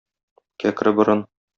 Кәкре борын.